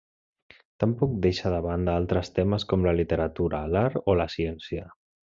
Tampoc deixa de banda altres temes com la literatura, l'art o la ciència.